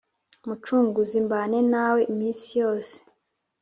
mucunguzi, mbane nawe iminsi yose,